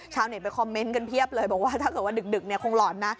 ชาวเห็นไปคอมเมนต์กันเพียบเลยบอกว่าถ้าเกิดวันดึกคงหลอนนะ